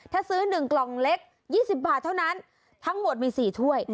ถ้าซื้อ๑กล่องเล็ก๒๐บาทเท่านั้นทั้งหมดมี๔ถ้วย